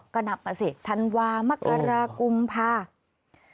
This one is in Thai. ก็นับมาสิธันวามกรากุมภา